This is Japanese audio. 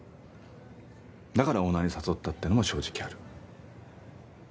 だからオーナーに誘ったってのも正直ある。